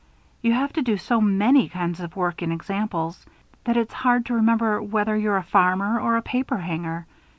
You have to do so many kinds of work in examples, that it's hard to remember whether you're a farmer or a paperhanger.